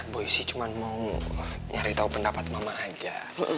boy sih cuma mau nyari tahu pendapat mama aja